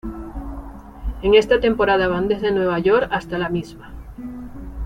En esta temporada van desde Nueva York hasta la misma.